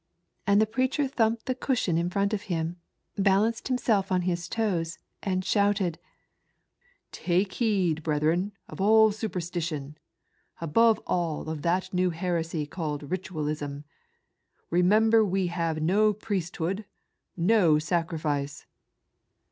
And the preacher thomped the cushion in front of him, balanced himself on his toes, and shouted — "Take heed, brethren, of superstition! above all of that new heresy called Ritualism ! remember we have no priesthood, no sacrifice."